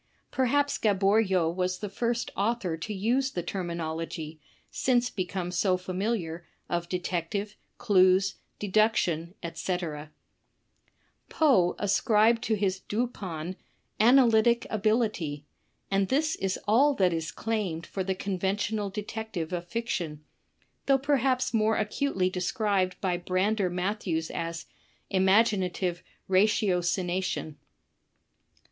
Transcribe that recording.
Perhaps Gaboriau was the first author to use the termi nology, since become so familiar, of detective, clues, deduc tion, etc Poe ascribed to his Dupin, "analytic ability," and this is all that is claimed for the conventional detective of fiction, though perhaps more acutely described by Brander Mat thews as "imaginative ratiocination."